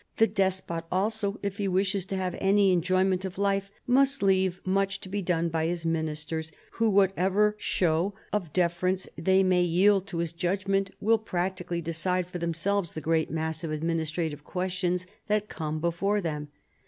The despot also, if he wishes to have any enjoyment of life, must leave much to be (lone bv liis ministers, who, whatever show of 20 CHARLEMAGNE. deference they may yield to his judgment, will practically decide for themselves the great mass of administrative questions that come before them.